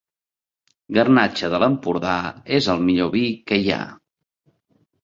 Garnatxa de l'Empordà és el millor vi que hi ha.